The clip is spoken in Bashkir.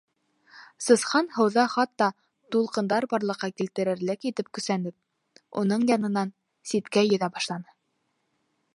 Сысҡан һыуҙа хатта тулҡындар барлыҡҡа килтерерлек итеп көсәнеп, уның янынан ситкә йөҙә башланы.